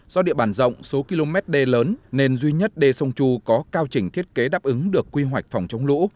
do địa bàn rộng số km đê lớn nên duy nhất đê sông chu có cao trình thiết kế đáp ứng được quy hoạch phòng chống lũ